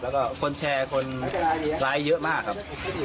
แล้วก็คนแชร์คนไลค์เยอะมากครับ